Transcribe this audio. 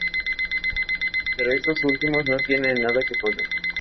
Pero estos últimos no tienen nada que pagar.